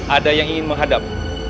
ada yang ingin menghadap